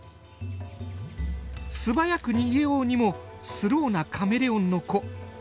素早く逃げようにもスローなカメレオンの子。